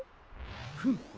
フム。